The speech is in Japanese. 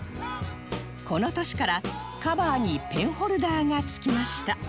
この年からカバーにペンホルダーが付きました